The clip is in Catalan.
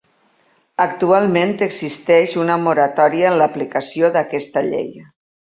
Actualment existeix una moratòria en l'aplicació d'aquesta llei.